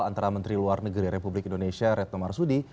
antara menteri luar negeri republik indonesia retno marsudi